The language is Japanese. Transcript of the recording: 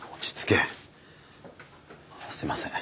すいません。